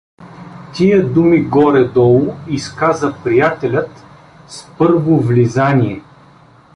Тия думи горе-долу изказа приятелят с първо влизание.